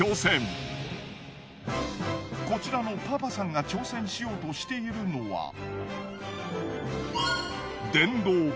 こちらのパパさんが挑戦しようとしているのは。